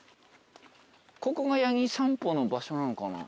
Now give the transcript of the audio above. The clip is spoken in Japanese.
ここがやぎさんぽの場所なのかな？